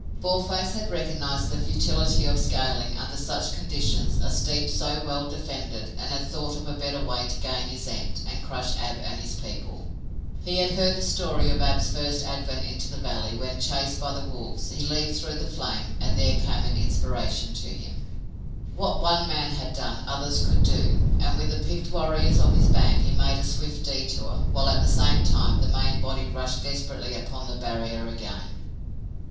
Boarface had recognized the futility of scaling, under such conditions, a steep so well defended and had thought of a better way to gain his end and crush Ab and his people. He had heard the story of Ab's first advent into the valley when, chased by the wolves, he leaped through the flame, and there came an inspiration to him! What one man had done others could do, and, with picked warriors of his band, he made a swift detour, while, at the same time, the main body rushed desperately upon the barrier again.